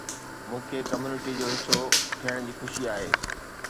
مون کي ڪميونٽي جو حصو ٿيڻ جي خوشي آهي